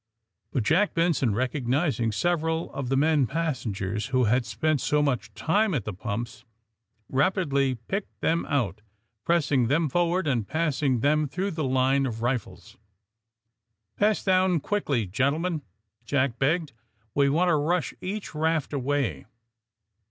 But Jack Benson, recognizing several of the men passengers who had spent so much time at the pumps, rapidly picked them out, pressing them forward and passing them through the line of rifles. ''Pass down quickly, gentlemen," Jack begged. "We want to rush each raft away."